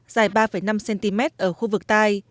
dài ba năm cm ở khu vực tai